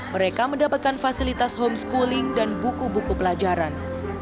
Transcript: mereka mendapatkan fasilitas homeschooling dan buku buku pelajaran